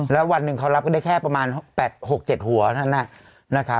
แล้ววันหนึ่งเขารับก็ได้แค่ประมาณหกเจ็ดหัวนะคะ